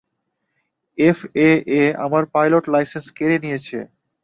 FAA আমার pilot licence কেড়ে নিয়েছে।